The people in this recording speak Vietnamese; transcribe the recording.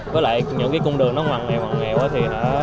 với lại những cái cung đường nó hoàng hoàng nghèo quá thì